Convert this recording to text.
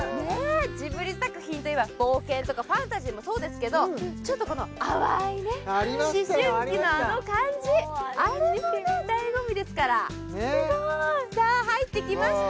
ジブリ作品といえば冒険とかファンタジーもそうですけどのあの感じあれもね醍醐味ですからねっさあ入ってきました